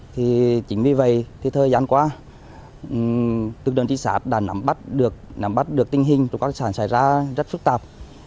thì chính vì vậy thì thời gian qua tự đơn trị sát đã nắm bắt được tình hình trộm các tài sản xảy ra rất phức tạp